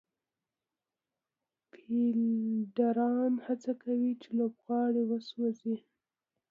فېلډران هڅه کوي، چي لوبغاړی وسوځوي.